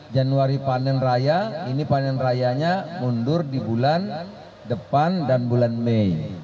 januari panen raya ini panen rayanya mundur di bulan depan dan bulan mei